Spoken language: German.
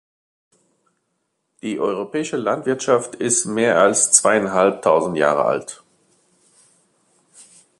Die europäische Landwirtschaft ist mehr als zweieinhalb tausend Jahre alt.